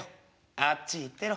あっち行ってろ」。